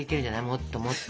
もっともっと。